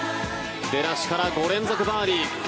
出だしから５連続バーディー。